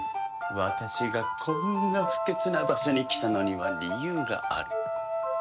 私がこんな不潔な場所に来たのには理由があるの。